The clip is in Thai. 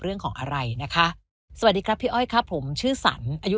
เรื่องของอะไรนะคะสวัสดีครับพี่อ้อยครับผมชื่อสรรอายุ